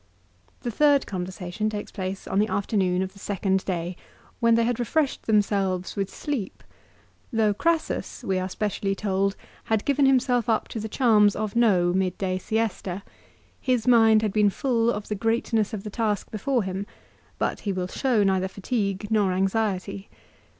The third conversation takes place on the afternoon of the second day, when they had refreshed themselves with sleep; though 314 LIFE OF CICERO. Crassus, we are specially told, had given himself up to the charms of no midday siesta. His mind had been full of the greatness of the task before him, but he will show neither fatigue nor anxiety.